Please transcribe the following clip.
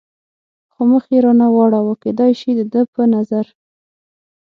خو مخ یې را نه واړاوه، کېدای شي د ده په نظر.